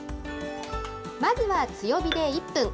まずは強火で１分。